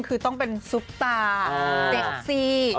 คือต้องเป็นซุปตาเซ็กซี่